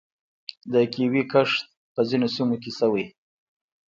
د کیوي کښت په ځینو سیمو کې شوی.